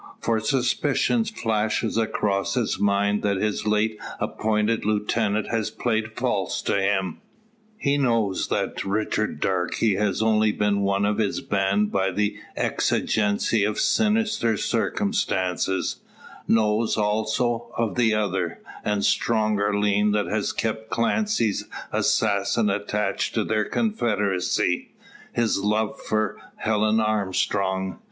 For a suspicion flashes across his mind, that his late appointed lieutenant has played false to him. He knows that Richard Darke has only been one of his band by the exigency of sinister circumstances; knows, also, of the other, and stronger lien that has kept Clancy's assassin attached to their confederacy his love for Helen Armstrong.